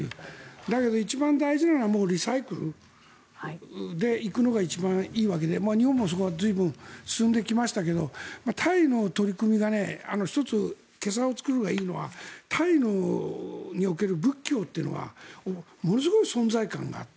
だけど一番大事なのはリサイクルで行くのが一番いいわけで日本もそこは随分進んできましたけれどタイの取り組みが１つ、袈裟を作るのがいいのはタイにおける仏教というのはものすごい存在感がある。